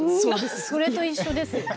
それと一緒です。